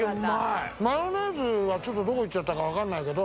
マヨネーズはちょっとどこいっちゃったかわかんないけど。